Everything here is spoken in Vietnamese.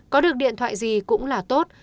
có được điện thoại gì cũng là tốt